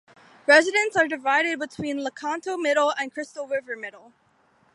Residents are divided between Lecanto Middle and Crystal River Middle.